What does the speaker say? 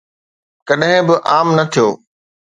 ڪڏهن به عام نه ٿيو.